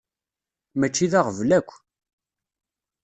Mačči d aɣbel akk.